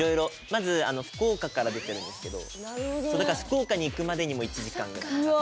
まず福岡から出てるんですけどそうだから福岡に行くまでにも１時間ぐらいかかった。